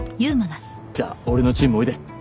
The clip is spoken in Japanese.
じゃあ俺のチームおいで